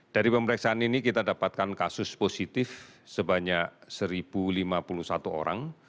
dari pemeriksaan ini kita dapatkan kasus positif sebanyak satu lima puluh satu orang